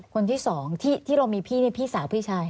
คนที่สองที่เรามีพี่นี่พี่สาวพี่ชาย